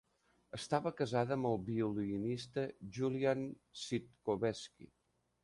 Estava casada amb el violinista Julian Sitkovetsky.